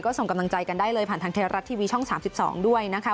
ก็ส่งกำลังใจได้ผ่านทางแทนรัฐทีวีช่อง๓๒ด้วยนะคะ